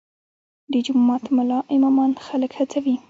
د جومات ملا امامان خلک هڅوي؟